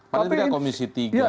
padahal ini komisi tiga